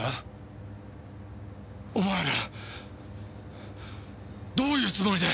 お前らどういうつもりだ！？